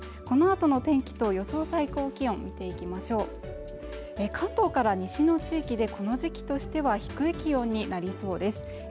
このあとの天気と予想最高気温見ていきましょう関東から西の地域でこの時期としては低い気温になりそうです